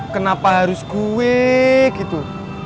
kenapa harus gue gitu